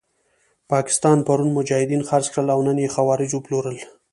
پاکستان پرون مجاهدین خرڅ کړل او نن یې خوارج وپلورل.